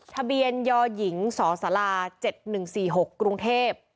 ทะเบียนยหญิงสส๗๑๔๖กรุงเทพ